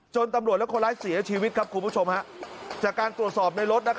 ตำรวจและคนร้ายเสียชีวิตครับคุณผู้ชมจากการตรวจสอบในรถ